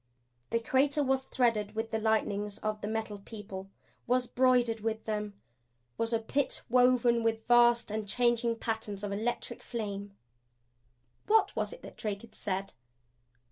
The crater was threaded with the lightnings of the Metal People; was broidered with them; was a Pit woven with vast and changing patterns of electric flame. What was it that Drake had said?